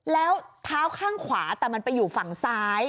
แล้วเท้าข้างขวาแต่มันไปอยู่ฝั่งซ้าย